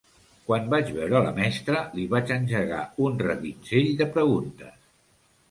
Quan vaig veure la mestra, li vaig engegar un regitzell de preguntes.